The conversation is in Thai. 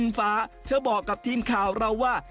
ฟ้าเธอบอกกับทีมข่าวเราว่า